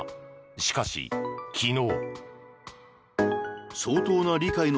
しかし、昨日。